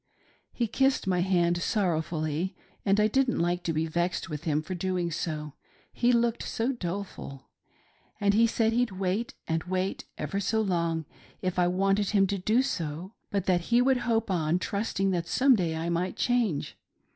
He kissed my hand sorrowfully — and I didn't like to be vexed with him for doing so, he looked so doleful — and he said he'd wait and wait, ever so long, if I wanted him to do so ; but that he would hope on, trusting that some day I might change.